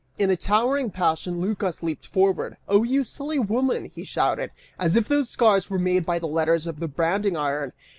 In a towering passion, Lycas leaped forward, "Oh you silly woman," he shouted, "as if those scars were made by the letters on the branding iron!